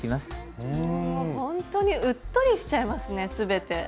ほんとにうっとりしちゃいますね全て。